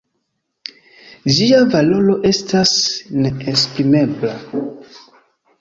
Ĝia valoro estas neesprimebla.